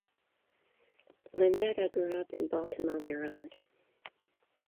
Landeta grew up in Baltimore, Maryland.